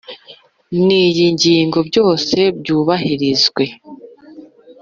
n iyi ngingo byose byubahirizwe